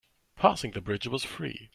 Passing the bridge was free.